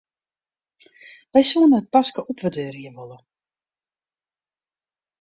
Wy soenen it paske opwurdearje wolle.